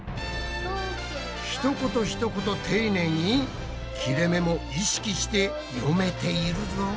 ひと言ひと事丁寧に切れめも意識して読めているぞ。